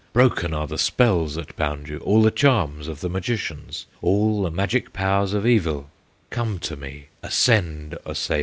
Broken are the spells that bound you, All the charms of the magicians, All the magic powers of evil; Come to me; ascend, Osseo!